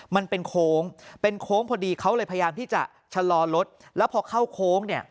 มันเป็นโค้งเป็นโค้งพอดีเขาเลยพยายามที่จะชะลอรถแล้วพอเข้าโค้งเนี่ย